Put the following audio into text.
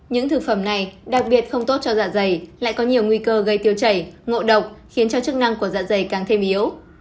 những thực phẩm này đặc biệt không tốt cho dạ dày lại có nhiều nguy cơ gây tiêu chảy ngộ độc khiến cho chức năng của dạ dày càng thêm yếu